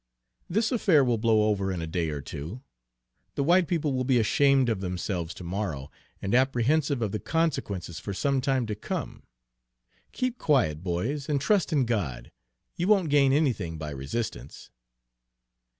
This affair will blow over in a day or two. The white people will be ashamed of themselves to morrow, and apprehensive of the consequences for some time to come. Keep quiet, boys, and trust in God. You won't gain anything by resistance."